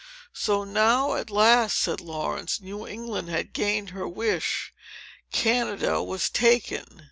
"So, now, at last," said Laurence, "New England had gained her wish. Canada was taken!"